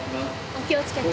お気をつけて。